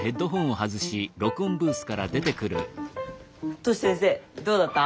トシ先生どうだった？